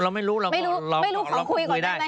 เราก็ไม่รู้เราไม่รู้เราคุยก่อนได้ไหม